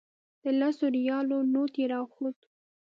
د لسو ریالو نوټ یې راښود.